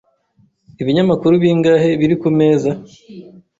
Ibinyamakuru bingahe biri kumeza?